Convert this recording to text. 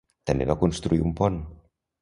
També va construir un pont.